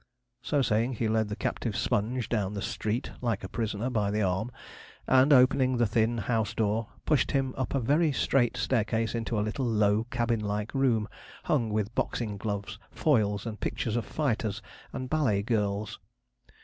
So saying, he led the captive Sponge down street, like a prisoner, by the arm, and, opening the thin house door, pushed him up a very straight staircase into a little low cabin like room, hung with boxing gloves, foils, and pictures of fighters and ballet girls.